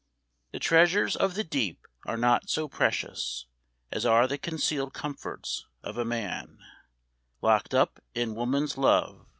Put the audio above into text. The treasures of the deep are not so precious As are the concealed comforts of a man Lock'd up in woman's love.